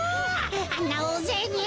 あんなおおぜいに！